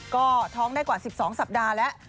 ก็ท้องได้กว่า๑๒สัปดาห์แล้ว